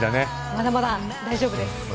まだまだ大丈夫です。